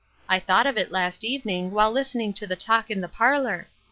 I thought of it last evening while listening to the talk in the parlor.